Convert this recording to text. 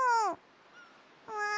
うん！